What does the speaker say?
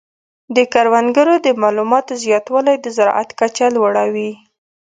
د کروندګرو د معلوماتو زیاتوالی د زراعت کچه لوړه وي.